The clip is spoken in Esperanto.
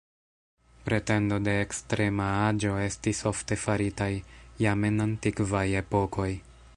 Pretendo de ekstrema aĝo estis ofte faritaj, jam en antikvaj epokoj.